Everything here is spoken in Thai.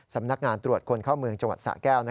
สำนักงานตรวจคนเข้าเมืองจังหวัดสะแก้ว